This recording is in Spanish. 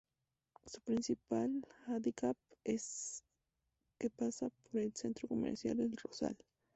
Su principal hándicap es que pasa por el Centro Comercial El Rosal.